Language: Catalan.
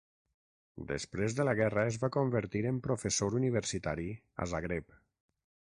Després de la guerra es va convertir en professor universitari a Zagreb.